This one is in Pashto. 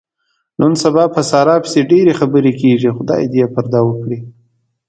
نن سبا په ساره پسې ډېرې خبرې کېږي. خدای یې دې پردې و کړي.